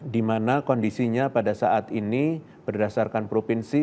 di mana kondisinya pada saat ini berdasarkan provinsi